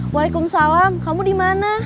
waalaikumsalam kamu di mana